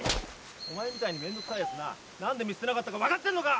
お前みたいに面倒くさいやつな何で見捨てなかったか分かってんのか？